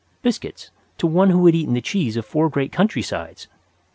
Biscuits to one who had eaten the cheese of four great countrysides!